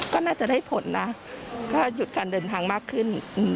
ก็น่าจะได้ผลนะก็หยุดการเดินทางมากขึ้น